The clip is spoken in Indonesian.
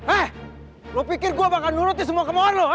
eh lo pikir gue bakal nurutin semua kemauan lo ha